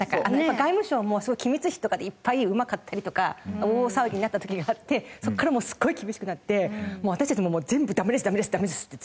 外務省も機密費とかでいっぱい馬買ったりとか大騒ぎになった時があってそこからすごい厳しくなって私たちも全部ダメですダメですダメですってずっと。